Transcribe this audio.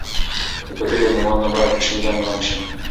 د کوټې ټول دیوالونه باید په شین رنګ رنګ شي.